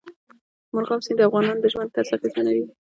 مورغاب سیند د افغانانو د ژوند طرز اغېزمنوي.